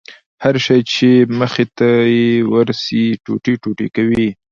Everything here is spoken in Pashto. هر شى چې مخې ته يې ورسي ټوټې ټوټې کوي يې.